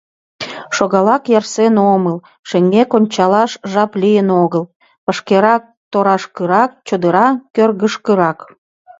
Шогалаш ярсен омыл, шеҥгек ончалаш жап лийын огыл — вашкерак торашкырак, чодыра кӧргышкырак.